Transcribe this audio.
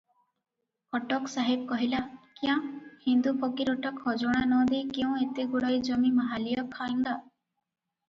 କଟକ ସାହେବ କହିଲା, "କ୍ୟାଁ, ହିନ୍ଦୁ ଫକୀରଟା ଖଜଣା ନ ଦେଇ କେଉଁ ଏତେଗୁଡ଼ାଏ ଜମି ମାହାଳିଅ ଖାଏଙ୍ଗା?